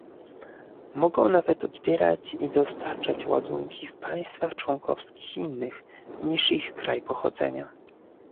Mogą nawet odbierać i dostarczać ładunki w państwach członkowskich innych, niż ich kraj pochodzenia